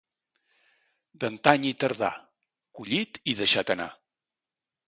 D'antany i tardà, collit i deixat anar.